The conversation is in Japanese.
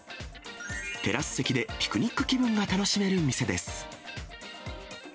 テラス席でピクニック気分が楽しめる店です。